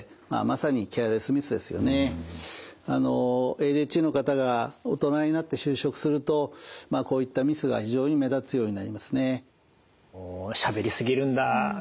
ＡＤＨＤの方が大人になって就職するとまあこういったミスが非常に目立つようになりますね。